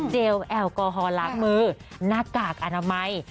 ลแอลกอฮอลล้างมือหน้ากากอนามัย